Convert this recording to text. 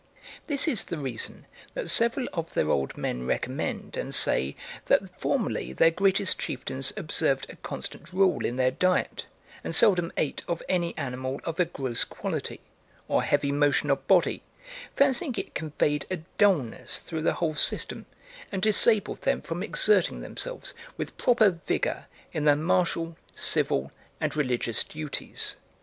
This is the reason that several of their old men recommend, and say, that formerly their greatest chieftains observed a constant rule in their diet, and seldom ate of any animal of a gross quality, or heavy motion of body, fancying it conveyed a dullness through the whole system, and disabled them from exerting themselves with proper vigour in their martial, civil, and religious duties."